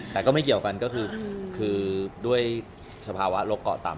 แต่ก็ไม่เกี่ยวกันก็คือด้วยสภาวะโรคเกาะต่ำ